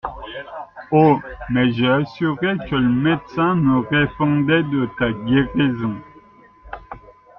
Oh ! mais, j’ai assuré que le médecin me répondait de ta guérison.